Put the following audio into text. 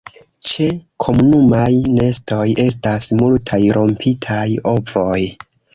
Ĉe komunumaj nestoj estas multaj rompitaj ovoj.